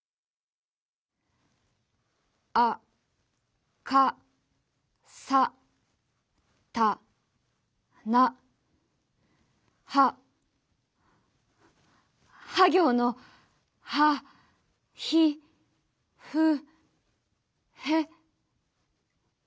「あ・か・さ・た・な・はは行のは・ひ・ふ・へ。